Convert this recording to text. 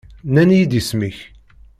Nnan-iyi-d isem-ik.